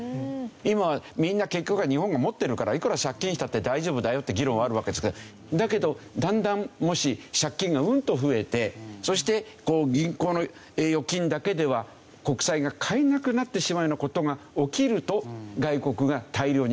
今はみんな結局は日本が持ってるからいくら借金したって大丈夫だよっていう議論あるわけですけどだけどだんだんもし借金がうんと増えてそして銀行の預金だけでは国債が買えなくなってしまうような事が起きると外国が大量に買う。